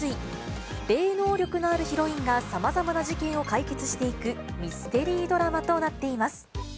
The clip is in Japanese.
霊能力のあるヒロインが、さまざまな事件を解決していく、ミステリードラマとなっています。